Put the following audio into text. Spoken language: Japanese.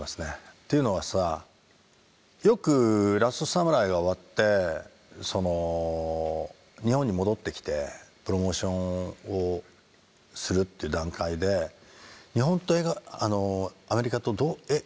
っていうのはさよく「ラストサムライ」が終わって日本に戻ってきてプロモーションをするって段階で「日本とアメリカと何が違うんですか？」